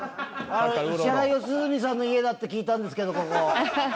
あの石原良純さんの家だって聞いたんですけどここ。